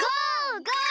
ゴー！